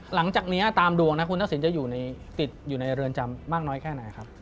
หลังจากนี้ตามดวงนะคุณทักษิณจะติดอยู่ในเรือนจำมากน้อยแค่ไหนครับ